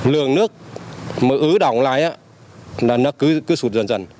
lường nước mới ứ đỏng lại á nó cứ sụt dần dần